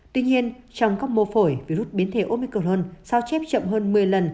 tuy nhiên trong các mô phổi virus biến thể omicron sao chép chậm hơn một mươi lần